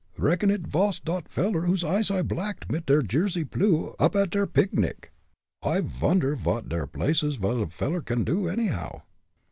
Reckon id vas dot veller whose eyes I placked mit Jersey plue up at der pig nic. I vonder vot der plazes a veller can do, anyhow?"